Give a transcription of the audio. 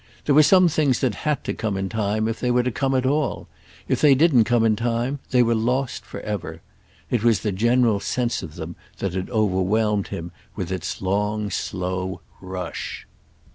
There were some things that had to come in time if they were to come at all. If they didn't come in time they were lost for ever. It was the general sense of them that had overwhelmed him with its long slow rush.